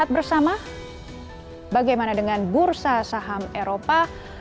bersama bagaimana dengan bursa saham eropa